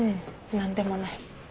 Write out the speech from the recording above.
何でもない。